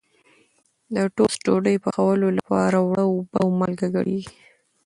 د ټوسټ ډوډۍ پخولو لپاره اوړه اوبه او مالګه ګډېږي.